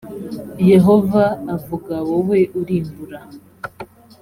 yehova avuga wowe urimbura